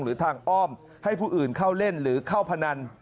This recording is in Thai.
หรือทางอ้อมให้ผู้อื่นเข้าเล่นหรือเข้าพนัน